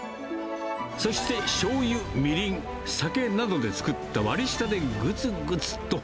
そして、しょうゆ、みりん、酒などで作った割り下でぐつぐつと。